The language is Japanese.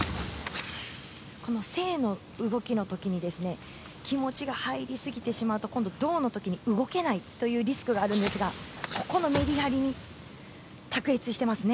静の動きの時に気持ちが入りすぎてしまうと今度、動の時に動けないというリスクがあるんですがここのメリハリ卓越していますね。